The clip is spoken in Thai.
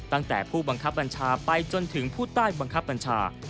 ตั้งแต่ผู้บังคับบัญชาไปจนถึงผู้ใต้บังคับบัญชา